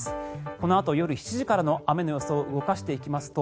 このあと夜７時からの雨の予想を動かしていきますと